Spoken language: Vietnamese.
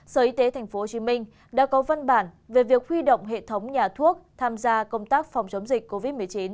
sở y tế tp hcm đã có văn bản về việc huy động hệ thống nhà thuốc tham gia công tác phòng chống dịch covid một mươi chín